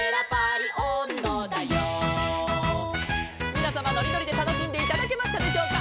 「みなさまのりのりでたのしんでいただけましたでしょうか」